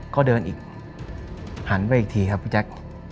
ก็เดินอีกหันไปอีกทีครับพี่แจ๊ค